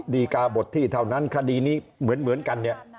ดีกาบทที่เท่านั้นคดีนี้เหมือนกันเนี่ย